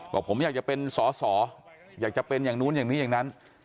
บอกผมอยากจะเป็นสอสออยากจะเป็นอย่างนู้นอย่างนี้อย่างนั้น